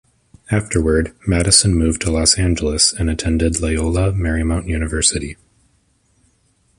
Afterward, Madison moved to Los Angeles and attended Loyola Marymount University.